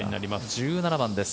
１７番です。